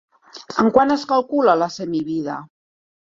En quant es calcula la semivida?